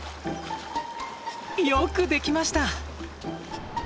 よくできました！